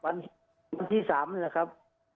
วันที่สามเนี่ยนะครับ